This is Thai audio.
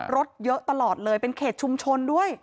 รถเยอะตลอดเลยเป็นเขตชุมชนด้วย